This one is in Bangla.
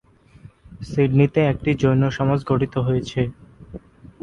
সিডনিতে একটি জৈন সমাজ গঠিত হয়েছে।